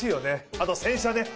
あと洗車ね。